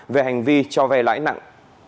về hành vi cho ve lãi nặng